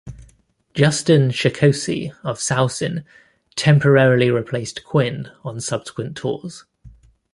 Justin Shekoski of Saosin temporarily replaced Quinn on subsequent tours.